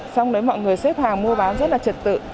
xong đấy mọi người xếp hàng mua bán rất là trật tự